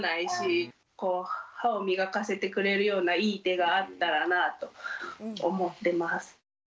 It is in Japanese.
こう歯を磨かせてくれるようないい手があったらなぁと思ってます。